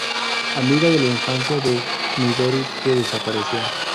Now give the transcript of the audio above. Amiga de la infancia de Midori que desapareció.